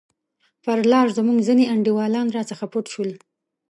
پر لار زموږ ځیني انډیوالان راڅخه پټ شول.